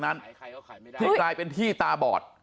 ใครเค้าขายไม่ได้กลายเป็นที่ตาบอด